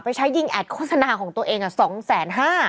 ไปใช้ยิงแอดโฆษณาของตัวเองอ่ะ๒แสน๕